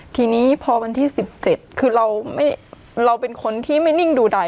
ทีนี้พอวันที่๑๗คือเราเป็นคนที่ไม่นิ่งดูใด